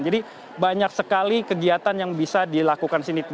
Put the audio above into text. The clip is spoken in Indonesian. jadi banyak sekali kegiatan yang bisa dilakukan di sini